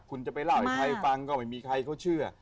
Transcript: คุณจะไปเล่าให้ใครฟังก็ไม่มีใครเขาเชื่อ